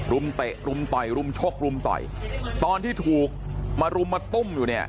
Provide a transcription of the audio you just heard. มเตะรุมต่อยรุมชกรุมต่อยตอนที่ถูกมารุมมาตุ้มอยู่เนี่ย